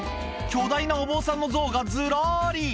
巨大なお坊さんの像がずらーり。